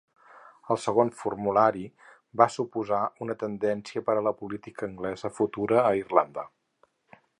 El segon formulari va suposar una tendència per a la política anglesa futura a Irlanda.